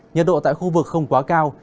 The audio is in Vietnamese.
nhật độ tại khu vực không quá cao